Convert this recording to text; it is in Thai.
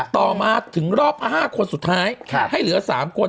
ต่อมาถึงรอบ๕คนสุดท้ายให้เหลือ๓คน